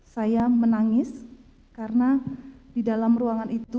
saya menangis karena di dalam ruangan itu